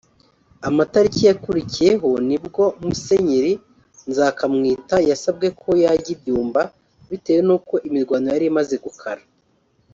Amatariki yakurikiyeho ni bwo Mgr Nzakamwita yasabwe ko yajya i Byumba bitewe n’uko imirwano yari imaze gukara